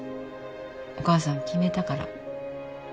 お母さん決めたから。